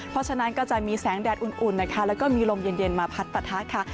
เพราะฉะนั้นก็จะมีแสงแดดอุ่นนะคะแล้วก็มีลมเย็นมาพัดปะทะค่ะ